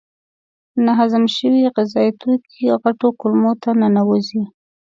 ناهضم شوي غذایي توکي غټو کولمو ته ننوزي.